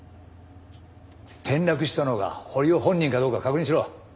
転落したのが堀尾本人かどうか確認しろ。